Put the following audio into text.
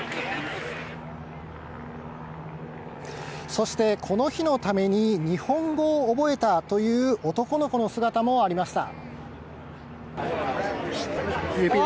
そして、この日のために日本語を覚えたという男の子の姿もありました。